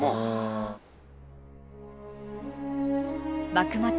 幕末